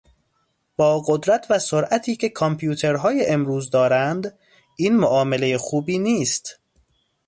با قدرت و سرعتی که کامپیوترهای امروز دارند این معامله خوبی نیست.